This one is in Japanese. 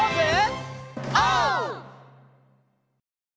オー！